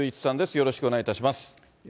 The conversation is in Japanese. よろしくお願いします。